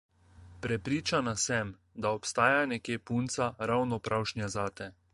Prepričana sem, da obstaja nekje punca ravno pravšnja zate.